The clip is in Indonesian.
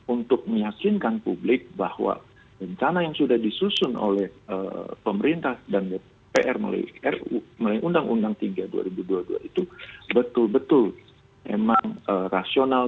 untuk meyakinkan publik bahwa rencana yang sudah disusun oleh pemerintah dan dpr melalui ruu undang undang tiga dua ribu dua puluh dua itu betul betul memang rasional